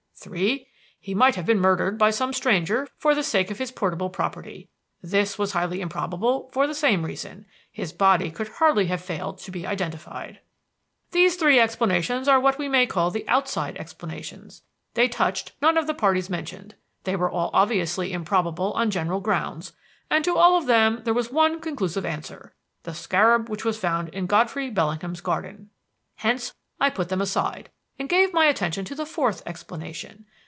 "3. He might have been murdered by some stranger for the sake of his portable property. This was highly improbable for the same reason: his body could hardly have failed to be identified. "These three explanations are what we may call the outside explanations. They touched none of the parties mentioned; they were all obviously improbable on general grounds; and to all of them there was one conclusive answer the scarab which was found in Godfrey Bellingham's garden. Hence I put them aside and gave my attention to the fourth explanation.